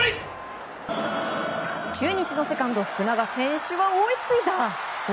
中日のセカンド、福永選手は追いついた！